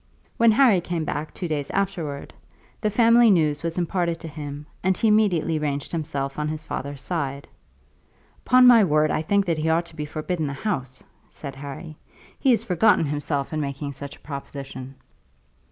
When Harry came back two days afterwards, the family news was imparted to him, and he immediately ranged himself on his father's side. "Upon my word I think that he ought to be forbidden the house," said Harry. "He has forgotten himself in making such a proposition."